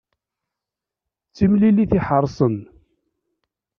D timlilit iḥerṣen.